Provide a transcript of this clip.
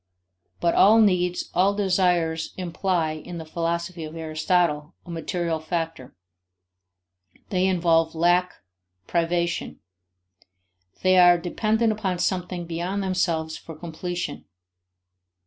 But all needs, all desires imply, in the philosophy of Aristotle, a material factor; they involve lack, privation; they are dependent upon something beyond themselves for completion.